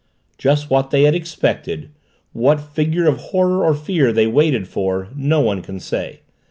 Just what they had expected, what figure of horror or of fear they waited for, no one can say.